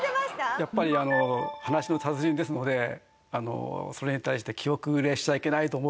やっぱり話の達人ですのでそれに対して気後れしちゃいけないと思う